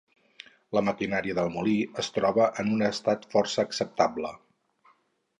La maquinària del molí es troba en un estat força acceptable.